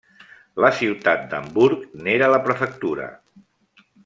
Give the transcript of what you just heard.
La ciutat d'Hamburg n'era la prefectura.